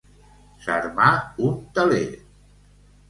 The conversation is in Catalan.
S'armà un teler!